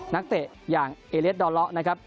นักเตะอย่างเอเลสดอเลาะนะครับ